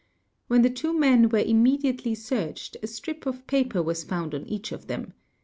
When the two men were immediately searched, a strip of paper was found on each of them.